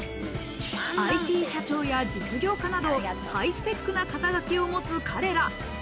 ＩＴ社長や実業家などハイスペックな肩書きを持つ彼ら。